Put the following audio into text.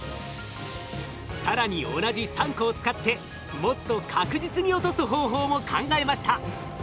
更に同じ３個を使ってもっと確実に落とす方法も考えました。